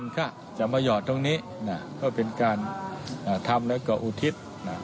ก็เป็นการทำแล้วก็อุทิศ